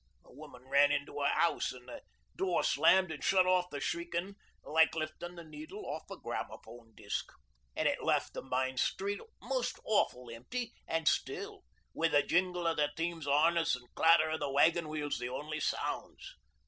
The woman ran into a house an' the door slammed an' shut off the shriekin' like liftin' the needle off a gramaphone disc. An' it left the main street most awful empty an' still wi' the jingle o' the teams' harness an' clatter o' the wagon wheels the only sounds.